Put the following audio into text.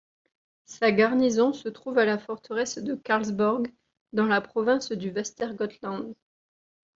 Sa garnison se trouve à la forteresse de Karlsborg, dans la province du Västergötland.